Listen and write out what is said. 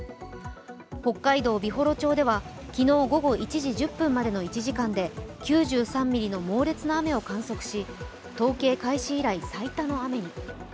北海道美幌町では昨日午後１時１０分までの１時間で９３ミリの猛烈な雨を観測し、統計開始以来最多の雨に。